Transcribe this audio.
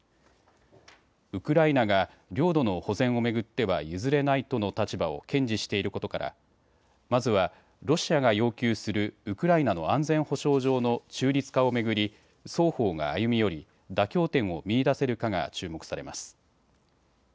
ウクライナが領土の保全を巡っては譲れないとの立場を堅持していることからまずはロシアが要求するウクライナの安全保障上の中立化を巡り双方が歩み寄り、妥協点を見いだせるかが注目されます。